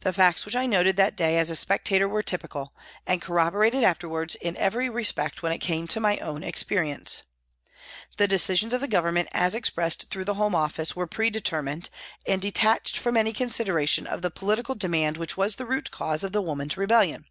The facts which I noted that day as a spectator were typical, and corroborated afterwards in every respect when it came to my own experience. The decisions of the Government as expressed through the Home Office were pre determined and detached from any con sideration of the political demand which was the root cause of the women's rebellion.